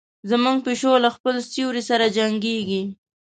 زموږ پیشو له خپل سیوري سره جنګیږي.